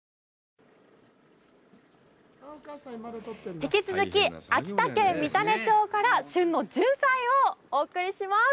引き続き、秋田県三種町から旬のジュンサイをお送りします。